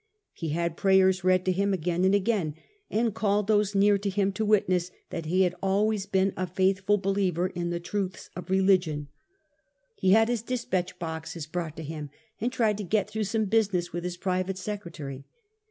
He had prayers read to him again and again, and called those near him to witness that he had always been a faithful believer in the truths of religion. He had 1837. THE CLOSING SCENE. 5 his despatch boxes brought to him, and tried to get through some business with his private secretary.